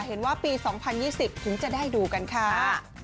เห็นว่าปี๒๐๒๐ถึงจะได้ดูกันค่ะ